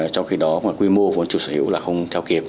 trong khi đó mà quy mô vốn chủ sở hữu là không theo kịp